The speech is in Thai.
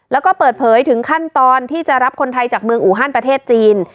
แล้วก็เปิดเผยถึงขั้นตอนที่จะรับคนไทยจากเมืองอูฮันประเทศจีน